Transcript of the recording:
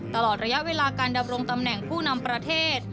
ตลอดระยะเวลาการดำรงตำแหน่งผู้นำประเทศ